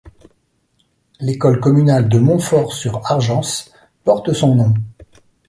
L'école communale de Montfort-sur-Argens porte son nom.